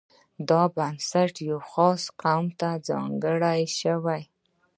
دا بنسټ یوه خاص قوم ته ځانګړی شوی.